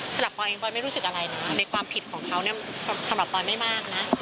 สำหรับปอยปอยไม่รู้สึกอะไรนะในความผิดของเขาเนี่ยสำหรับปอยไม่มากนะ